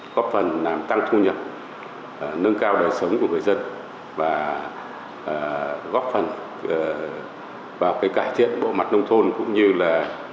góp phần làm tăng thu nhập nâng cao đời sống của người dân và góp phần vào cải thiện bộ mặt nông thôn cũng như là